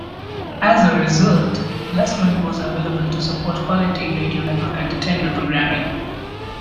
As a result, less money was available to support quality radio network entertainment programming.